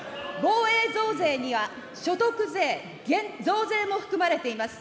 防衛増税には所得税、増税も含まれています。